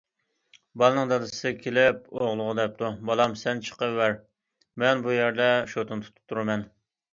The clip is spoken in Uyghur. بالىنىڭ دادىسى كېلىپ ئوغلىغا دەپتۇ:« بالام، سەن چىقىۋەر، مەن بۇ يەردە شوتىنى تۇتۇپ تۇرىمەن».